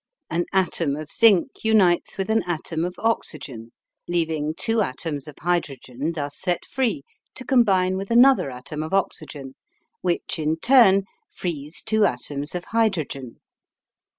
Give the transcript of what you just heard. An atom of zinc unites with an atom of oxygen, leaving two atoms of hydrogen thus set free to combine with another atom of oxygen, which in turn frees two atoms of hydrogen.